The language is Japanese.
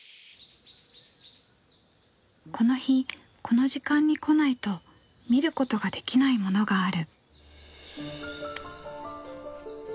この日この時間に来ないと見ることができないものがある。